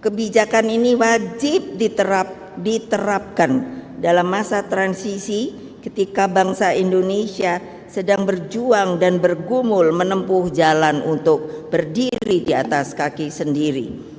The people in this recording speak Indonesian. kebijakan ini wajib diterapkan dalam masa transisi ketika bangsa indonesia sedang berjuang dan bergumul menempuh jalan untuk berdiri di atas kaki sendiri